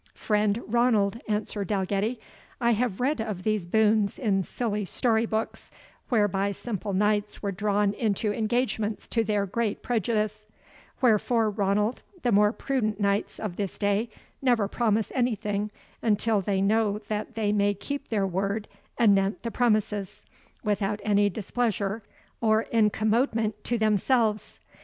"Friend Ranald," answered Dalgetty, "I have read of these boons in silly story books, whereby simple knights were drawn into engagements to their great prejudice; wherefore, Ranald, the more prudent knights of this day never promise anything until they know that they may keep their word anent the premises, without any displeasure or incommodement to themselves.